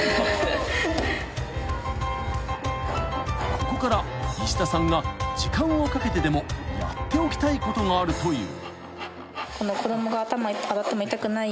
［ここから石田さんが時間をかけてでもやっておきたいことがあるという］